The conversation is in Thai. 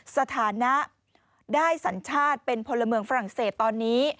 สถานะได้สัญชาติเป็นพลเมืองฝรั่งเศสตอนนี้